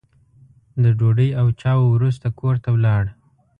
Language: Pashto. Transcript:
د ډوډۍ او چایو وروسته کور ته ولاړ.